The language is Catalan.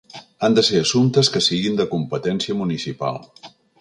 Han de ser assumptes que siguin de competència municipal.